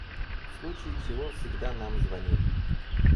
В случае чего всегда нам звони.